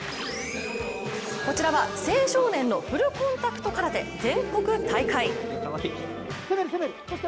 こちらは青少年のフルコンタクト空手全国大会。